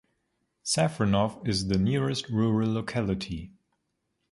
Safronov is the nearest rural locality.